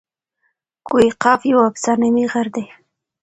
کوه قاف یو افسانوي غر دئ.